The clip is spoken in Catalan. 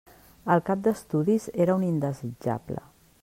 El cap d'estudis era un indesitjable.